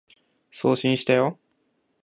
送信したよ